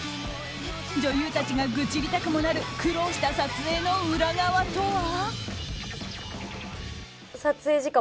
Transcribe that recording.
女優たちが愚痴りたくもなる苦労した撮影の裏側とは。